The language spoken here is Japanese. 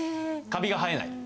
カビが生えない。